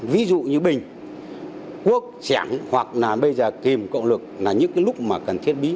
ví dụ như bình quốc sẻng hoặc là bây giờ kìm cộng lực là những lúc cần thiết bí